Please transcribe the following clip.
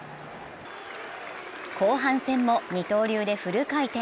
後半戦も二刀流でフル回転。